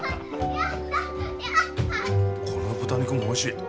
この豚肉もおいしい。